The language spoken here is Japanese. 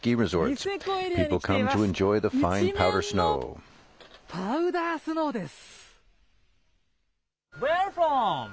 一面のパウダースノーです。